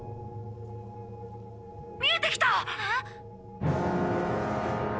見えてきた！